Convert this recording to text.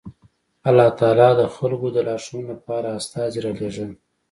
الله تعالی د خلکو د لارښوونې لپاره استازي رالېږل